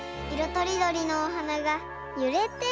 とりどりのおはながゆれています。